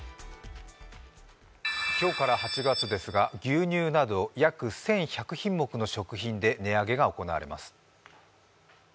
今日から８月ですが牛乳など約１１００品目の食品で値上げが行われます。